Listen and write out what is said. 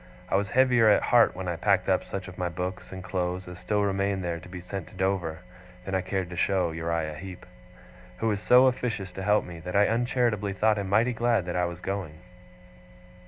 I was heavier at heart when I packed up such of my books and clothes as still remained there to be sent to Dover, than I cared to show to Uriah Heep; who was so officious to help me, that I uncharitably thought him mighty glad that I was going.